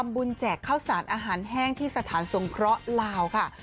แจกข้าวสารอาหารแห้งที่สถานสงเคราะห์ลาวค่ะ